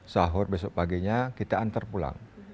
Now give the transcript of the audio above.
sahur besok paginya kita antar pulang